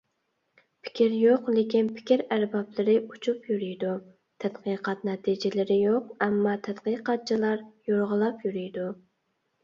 پىكىر يوق، لېكىن «پىكىر ئەربابلىرى» ئۇچۇپ يۈرىيدۇ، تەتقىقات نەتىجىلىرى يوق، ئەمما «تەتقىقاتچىلار» يورغىلاپ يۈرىيدۇ.